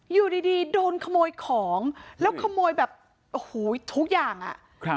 อยู่ดีโดนขโมยของแล้วขโมยแบบโอ้โหทุกอย่างอ่ะครับ